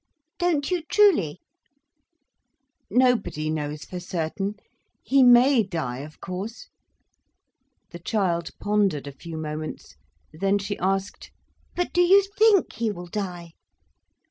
"Don't you truly?" "Nobody knows for certain. He may die, of course." The child pondered a few moments, then she asked: "But do you think he will die?"